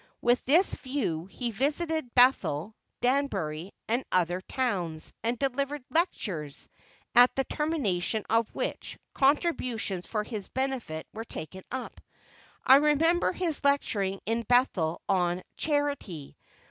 With this view he visited Bethel, Danbury, and other towns, and delivered "Lectures," at the termination of which, contributions for his benefit were taken up. I remember his lecturing in Bethel on "Charity."